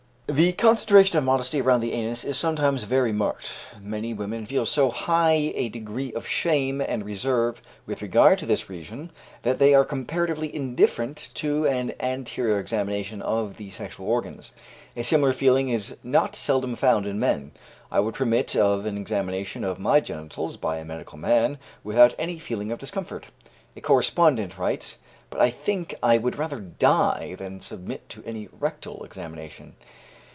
The concentration of modesty around the anus is sometimes very marked. Many women feel so high a degree of shame and reserve with regard to this region, that they are comparatively indifferent to an anterior examination of the sexual organs. A similar feeling is not seldom found in men. "I would permit of an examination of my genitals by a medical man, without any feeling of discomfort," a correspondent writes, "but I think I would rather die than submit to any rectal examination."